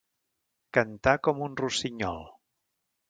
Cantar com un rossinyol.